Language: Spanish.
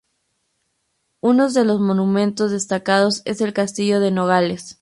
Unos de los monumentos destacados es el Castillo de Nogales.